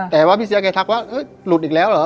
แต่ว่าพี่เสียแกทักว่าหลุดอีกแล้วเหรอ